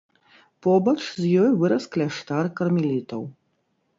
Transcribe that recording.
Побач з ёй вырас кляштар кармелітаў.